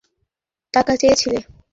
তুমি তোমার মায়ের কাছে টাকা চেয়েছিলে।